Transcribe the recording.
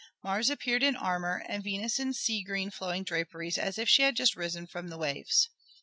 Mars appeared in armor, and Venus in sea green flowing draperies as if she had just risen from the waves.